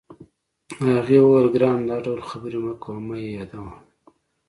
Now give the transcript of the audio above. هغې وویل: ګرانه، دا ډول خبرې مه کوه، مه یې یادوه.